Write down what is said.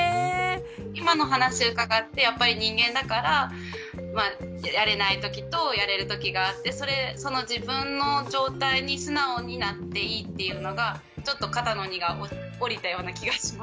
今の話を伺ってやっぱり人間だからやれない時とやれる時があってその自分の状態に素直になっていいっていうのがちょっと肩の荷が下りたような気がします。